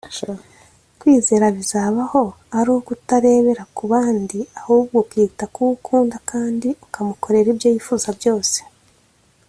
Kwizerana bizabaho ari uko utarebera ku bandi ahubwo ukita kuwo ukunda kandi ukamukorera ibyo yifuza byose